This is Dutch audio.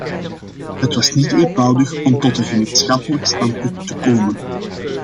Het was niet eenvoudig om tot een gemeenschappelijk standpunt te komen.